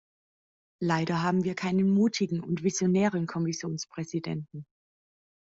Leider haben wir keinen mutigen und visionären Kommissionspräsidenten.